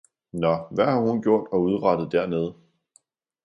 Nå, hvad har hun gjort og udrettet dernede?